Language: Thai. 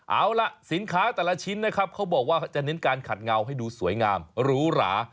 เอาล่ะสินค้าแต่ละชิ้นนะครับเขาบอกว่าจะเน้นการขัดเงาให้ดูสวยงามหรูหรา